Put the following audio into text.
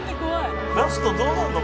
「ラストどうなるの？